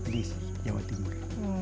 di jawa timur